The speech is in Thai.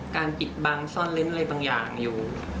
ปิดบังซ่อนเล้นอะไรบางอย่างอยู่